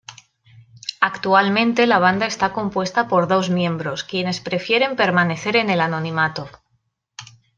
Actualmente la banda está compuesta por dos miembros, quienes prefieren permanecer en el anonimato.